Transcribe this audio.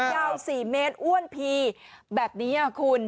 ยาว๔เมตรอ้วนพีแบบนี้คุณ